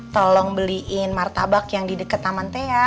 tolong beliin martabak yang di deket taman thea